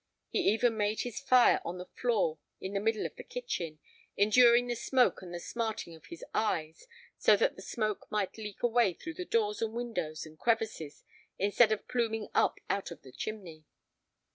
He even made his fire on the floor in the middle of the kitchen, enduring the smoke and the smarting of his eyes, so that the smoke might leak away through doors and windows and crevices instead of pluming up out of the chimney.